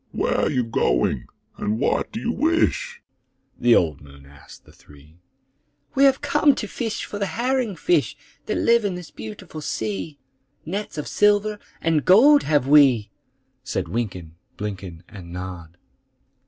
"Where are you going, and what do you wish?" The old moon asked the three. "We have come to fish for the herring fish That live in this beautiful sea; Nets of silver and gold have we," Said Wynken, Blynken, And Nod.